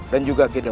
dan juga kita